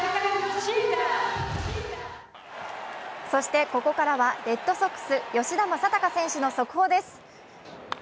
そしてここからはレッドソックス・吉田正尚選手の速報です。